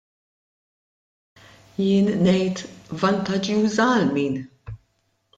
Jien ngħid: Vantaġġjuża għal min?